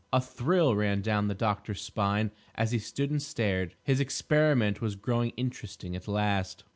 A thrill ran down the doctor's spine as he stood and stared. His experiment was growing interesting at last.